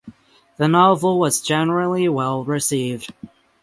The novel was generally well received.